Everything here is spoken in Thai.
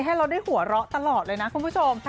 ให้เราได้หัวเราะตลอดเลยนะคุณผู้ชม